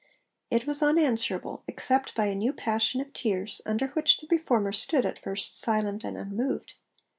It was unanswerable, except by a new passion of tears, under which the Reformer stood at first silent and unmoved.